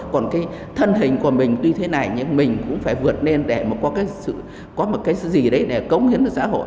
còn cái thân hình của mình tuy thế này nhưng mình cũng phải vượt lên để có một cái gì đấy để cống hiến cho xã hội